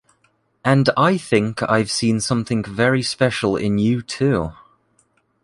And I think I’ve seen something very special in you too.